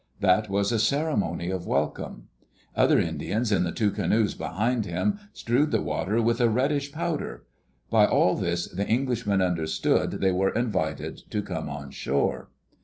That was a cere mony of welcome. Other Indians in the two canoes behind him strewed the water with a reddish powder. By all this, the Englishmen understood they were invited to come on shore.